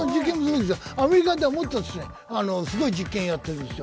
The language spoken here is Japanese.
アメリカでは、もっとすごい実験やってるんですよ。